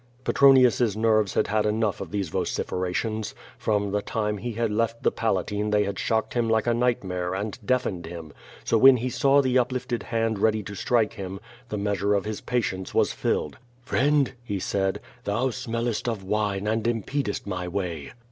Petronius's nerves had had enough of these vociferations. 378 Q^O VADI8. From the time he had left the Palatine they had shocked him like a nightmare, and deafened him. So when he saw the uplifted hand ready to strike him, the measure of his patience was filled. "Friend,*^ he said, "thou smellest of wine and impedest my way."